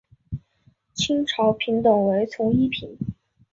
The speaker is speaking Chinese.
清朝品等为从一品。